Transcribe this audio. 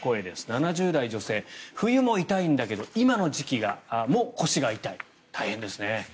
７０代女性、冬も痛いんだけど今の時期も腰が痛い大変ですね。